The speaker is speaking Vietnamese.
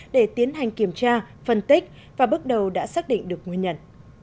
để tiến hành kiểm tra phân tích và bước đầu đã xác định được nguyên nhân